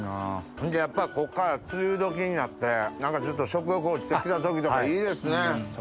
そんでやっぱこれから梅雨時になって何かちょっと食欲落ちて来た時とかいいですね。